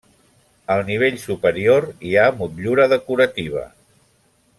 Al nivell superior hi ha motllura decorativa.